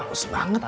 aus banget nih